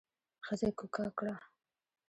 ښځې کوکه کړه.